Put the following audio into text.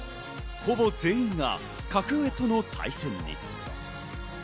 ほぼ全員が格上との対戦に。